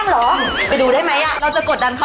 สวัสดีพี่ตอยด้วยนะคะ